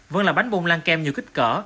vẫn là bánh bông lan kem nhiều kích cỡ